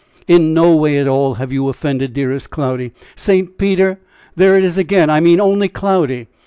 "In no way at all have you offended, dearest Cloudy St. Peter! there it is again I mean only Cloudy."